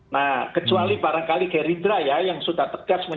nah kecuali barangkali geri dera ya yang sudah berpengalaman